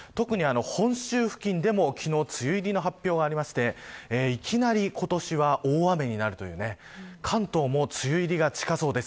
特に本州付近でも、昨日梅雨入りの発表がありましていきなり今年は大雨になるという関東も梅雨入りが近そうです。